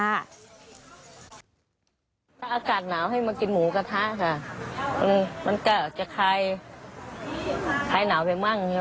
อากาศหนาวให้มากินหมูกระทะค่ะมันก็จะคลายคลายหนาวไปมั่งใช่ไหม